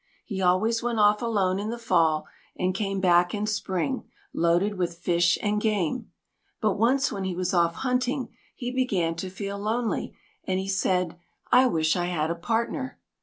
He always went off alone in the Fall, and came back in Spring loaded with fish and game. But once when he was off hunting, he began to feel lonely; and he said, "I wish I had a partner."